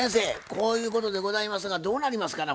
こういうことでございますがどうなりますかな？